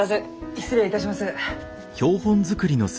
失礼いたします。